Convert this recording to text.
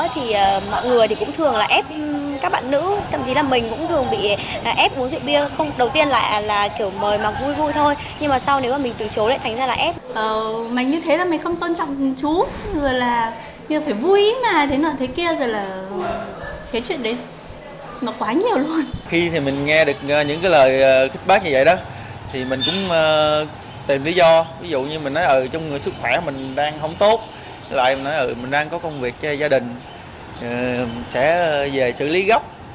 tìm lý do ví dụ như mình nói trong sức khỏe mình đang không tốt lại mình nói mình đang có công việc cho gia đình sẽ về xử lý gốc